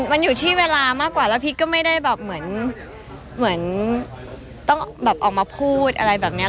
มันอยู่ที่เวลามากกว่าแล้วพีชก็ไม่ได้แบบเหมือนต้องแบบออกมาพูดอะไรแบบนี้